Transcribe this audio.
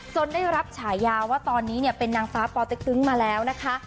ได้รับฉายาว่าตอนนี้เป็นนางฟ้าปอเต็กตึ้งมาแล้วนะคะ